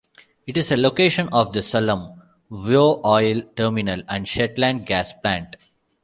It is a location of the Sullom Voe oil terminal and Shetland Gas Plant.